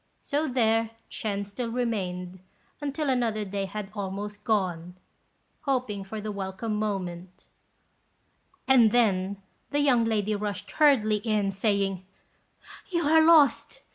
So there Ch'ên still remained until another day had almost gone, hoping for the welcome moment; and then the young lady rushed hurriedly in, saying, "You are lost!